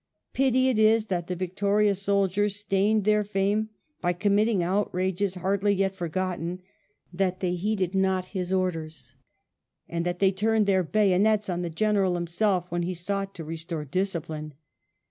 Pity it is that the victorious soldiers stained their fame by committing outrages hardly yet forgotten; that they heeded not his orders, and that they turned their bayonets on the General himself when he sought to restore discipline.